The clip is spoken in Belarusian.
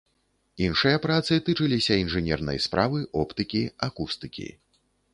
Іншыя працы тычыліся інжынернай справы, оптыкі, акустыкі.